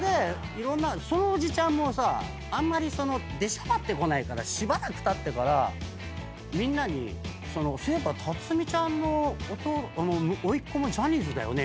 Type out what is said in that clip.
その伯父ちゃんもあんまり出しゃばってこないからしばらくたってからみんなに「そういえば辰巳ちゃんのおいっ子もジャニーズだよね」